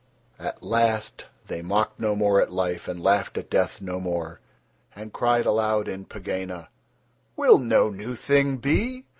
At last They mocked no more at life and laughed at death no more, and cried aloud in Pegāna: "Will no new thing be?